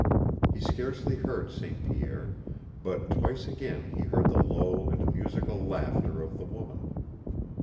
He scarcely heard St. Pierre, but twice again he heard the low and musical laughter of the woman.